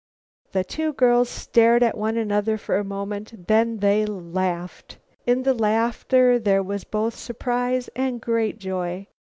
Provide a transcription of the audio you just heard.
'" The two girls stared at one another for a moment. Then they laughed. In the laugh there was both surprise and great joy.